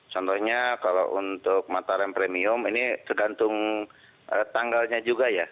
contohnya kalau untuk mataram premium ini tergantung tanggalnya juga ya